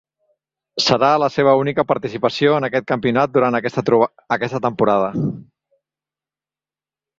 Serà la seva única participació en aquest campionat durant aquesta temporada.